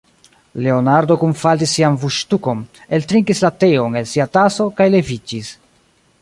Leonardo kunfaldis sian buŝtukon, eltrinkis la teon el sia taso, kaj leviĝis.